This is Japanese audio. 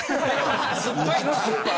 酸っぱいの「すっぱ」。